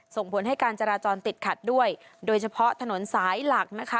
ส่งผลให้การจราจรติดขัดด้วยโดยเฉพาะถนนสายหลักนะคะ